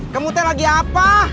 kemute lagi apa